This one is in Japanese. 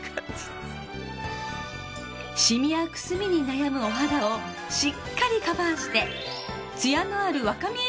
シミやくすみに悩むお肌をしっかりカバーしてツヤのある若見え